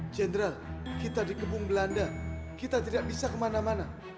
general kita di kebung belanda kita tidak bisa kemana mana